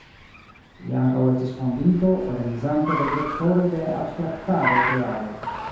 Li ankaŭ estis fondinto, organizanto kaj direktoro de Abstraktado-Kreado.